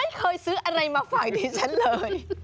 ไม่เคยซื้ออะไรมาฝากดิฉันเลย